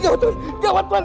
tuan gawat tuan